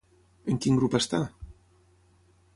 En quin grup està?